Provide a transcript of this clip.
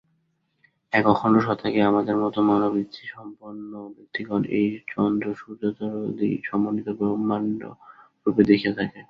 এক অখণ্ড সত্তাকেই আমাদের মত মনোবৃত্তিসম্পন্ন ব্যক্তিগণ এই চন্দ্রসূর্যতারকাদি-সমন্বিত ব্রহ্মাণ্ড-রূপে দেখিয়া থাকে।